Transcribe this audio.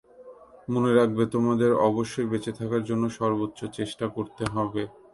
মনে রাখবে, তোমাদের অবশ্যই বেঁচে থাকার জন্য সর্বোচ্চ চেষ্টা করতে হবে।